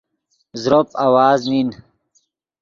زروپ آواز نین